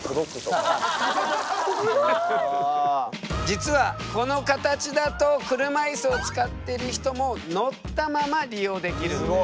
実はこの形だと車いすを使っている人も乗ったまま利用できるんだよね。